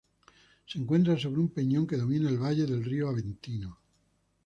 Se encuentra sobre un peñón que domina el valle del río Aventino.